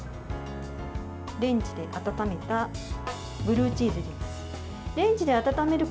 レンジで温めたブルーチーズを入れます。